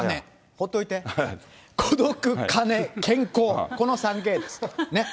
ほっといて、孤独、金、健康、この３Ｋです。